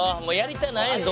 もうやりたない。